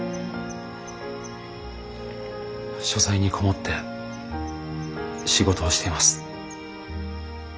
書斎に籠もって仕事をしています。